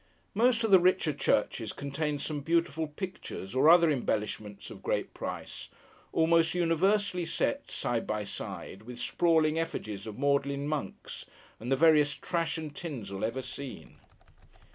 Most of the richer churches contain some beautiful pictures, or other embellishments of great price, almost universally set, side by side, with sprawling effigies of maudlin monks, and the veriest trash and tinsel ever seen.